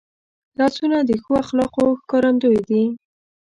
لاسونه د ښو اخلاقو ښکارندوی دي